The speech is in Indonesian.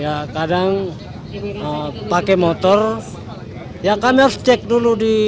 ya kadang pakai motor ya kami harus cek dulu di waitabula di wkpubg baru